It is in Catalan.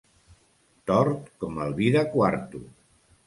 Tort com el vi de quarto.